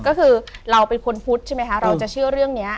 ก็คือเราเป็นคนพุทธใช่ไหมคะเราจะเชื่อเรื่องนี้